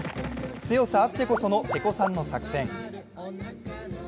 強さあってこその瀬古さんの作戦。